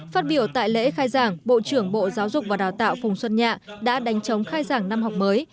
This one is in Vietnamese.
phát biểu tại lễ khai giảng bộ trưởng bộ giáo dục và đào tạo phùng xuân nhạ đã đánh chống khai giảng năm học mới